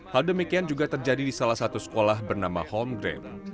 hal demikian juga terjadi di salah satu sekolah bernama home grade